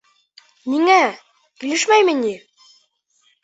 Ниңә, килешмәйме ни?